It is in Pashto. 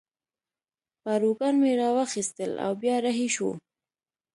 پاروګان مې را واخیستل او بیا رهي شوو.